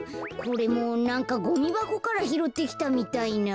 これもなんかゴミばこからひろってきたみたいな。